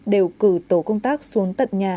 đều cử tổ công tác xuống tận nhà